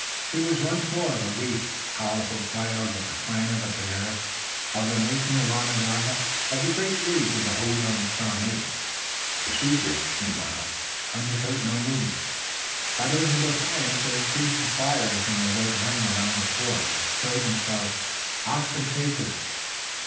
He was once more the lithe and powerful Tayoga of the Clan of the Bear, of the nation Onondaga of the great League of the Hodenosaunee. The besiegers meanwhile undertook no movement, but, as if in defiance, they increased the fires in the red ring around the fort and they showed themselves ostentatiously.